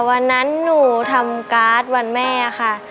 วันนั้นหนูทำการ์ดวันแม่ค่ะ